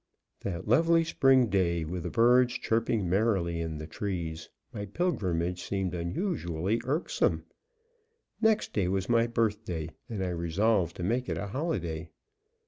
That lovely spring day, with the birds chirping merrily in the trees, my pilgrimage seemed unusually irksome. Next day was my birthday, and I resolved to make it a holiday.